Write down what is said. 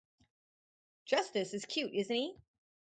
Justus is cute, isn't he?